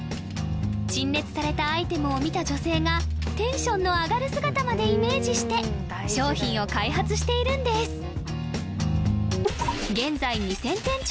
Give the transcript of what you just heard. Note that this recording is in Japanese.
陳列されたアイテムを見た女性がテンションの上がる姿までイメージして商品を開発しているんです